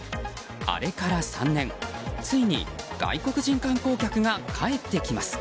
あれから３年、ついに外国人観光客が帰ってきます。